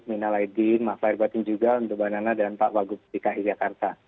mina laidin maaflahir batin juga untuk banana dan pak wagu dki jakarta